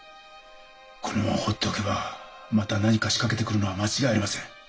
このまま放っておけばまた何か仕掛けてくるのは間違いありません。